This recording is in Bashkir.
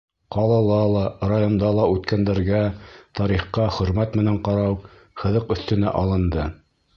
Ҡалала ла, районда ла үткәндәргә, тарихҡа хөрмәт менән ҡарау һыҙыҡ өҫтөнә алынды.